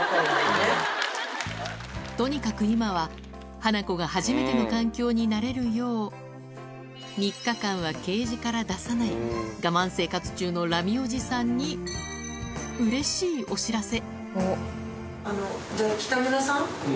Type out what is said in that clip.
とにかく今は、ハナコが初めての環境に慣れるよう、３日間はケージから出さない、我慢生活中のラミおじさんに、うれしいお知らせ。